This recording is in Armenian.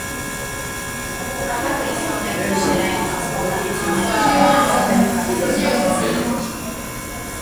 Նպատաը իսլամներու գիշերային ասպատակութիւններու ժամանակ զոհերու քանակը նուազացնելն էր։